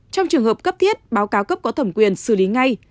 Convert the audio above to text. trong trường hợp cấp thiết báo cáo cấp có thẩm quyền xử lý ngay